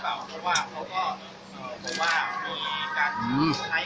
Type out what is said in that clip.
เพราะว่าเค้าก็มีการติดของไทฟ